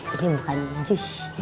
ini bukan jus